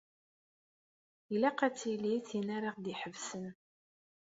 Ilaq ad tili tin ara ɣ-d-iḥebsen.